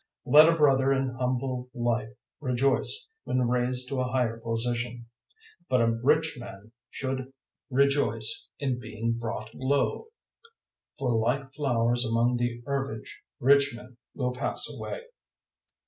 001:009 Let a brother in humble life rejoice when raised to a higher position; 001:010 but a rich man should rejoice in being brought low, for like flowers among the herbage rich men will pass away.